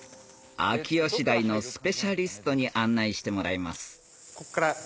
秋吉台のスペシャリストに案内してもらいます